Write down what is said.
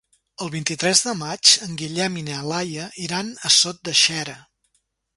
El vint-i-tres de maig en Guillem i na Laia iran a Sot de Xera.